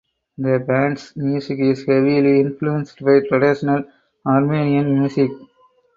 The band’s music is heavily influenced by traditional Armenian music.